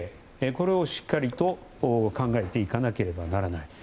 これをしっかりと考えていかなければならない。